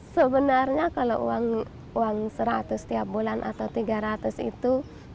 sebenarnya kalau uang seratus setiap bulan atau tiga ratus itu